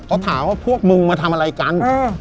เขาถามว่าพวกมึงมาทำอะไรกัน